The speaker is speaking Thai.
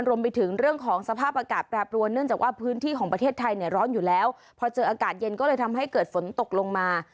รวมไปถึงเรื่องของสภาพอากาศแปรปรวนเนื่องจากว่าพื้นที่ของประเทศไทยเนี่ยร้อนอยู่แล้วพอเจออากาศเย็นก็เลยทำให้เกิดฝนตกลงมา